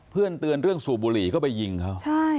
เพื่อนเตือนเรื่องสู่บุหรี่ก็ไปยิงเขา